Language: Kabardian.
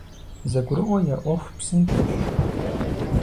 ЗэгурыӀуэ я Ӏуэху псынщӀэщ.